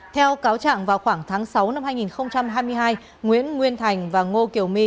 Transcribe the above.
theo cáo trạng vào khoảng tháng sáu năm hai nghìn hai mươi hai nguyễn nguyên thành và ngô kiều my